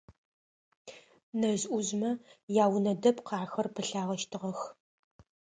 Нэжъ-ӏужъмэ яунэ дэпкъ ахэр пылъагъэщтыгъэх.